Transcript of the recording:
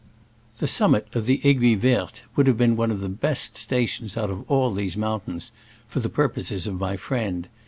The summit of the Aiguille Verte would have been one of the best stations out of all these mountains for the purposes of my friend.